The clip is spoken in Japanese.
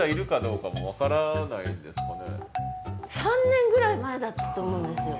３年ぐらい前だったと思うんですよ。